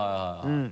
うん。